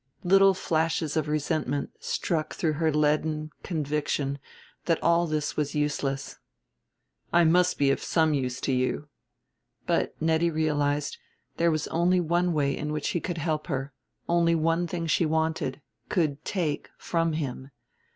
Little flashes of resentment struck through her leaden, conviction that all this was useless. "I must be of some use to you." But, Nettie realized, there was only one way in which he could help her; only one thing she wanted could take from him.